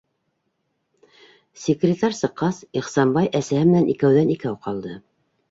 Секретарь сыҡҡас, Ихсанбай әсәһе менән икәүҙән- икәү ҡалды.